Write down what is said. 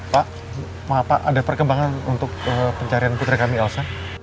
pak maaf pak ada perkembangan untuk pencarian putri kami elsa